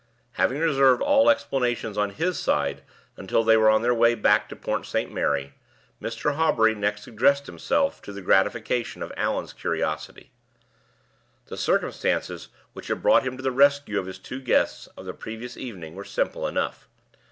Having reserved all explanations on his side until they were on their way back to Port St. Mary, Mr. Hawbury next addressed himself to the gratification of Allan's curiosity. The circumstances which had brought him to the rescue of his two guests of the previous evening were simple enough.